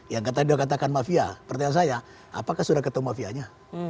yang katanya sudah katakan mafia pertanyaan saya apakah sudah ketemu mafianya